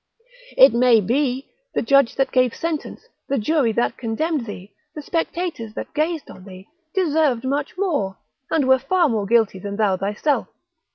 It may be the judge that gave sentence, the jury that condemned thee, the spectators that gazed on thee, deserved much more, and were far more guilty than thou thyself.